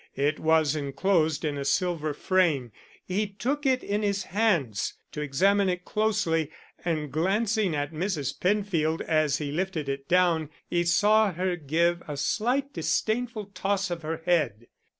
It was enclosed in a silver frame. He took it in his hands to examine it closely, and glancing at Mrs. Penfield as he lifted it down he saw her give a slight disdainful toss of her head.